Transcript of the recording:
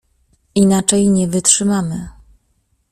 "Inaczej nie wytrzymamy“."